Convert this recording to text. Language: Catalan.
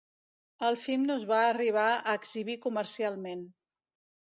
El film no es va arribar a exhibir comercialment.